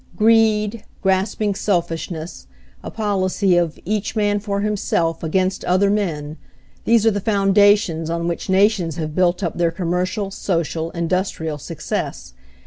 Greed, grasping selfishness, a policy of "each man for himself, against other men," these are the foundations on which nations have*built up their commercial, social, industrial success.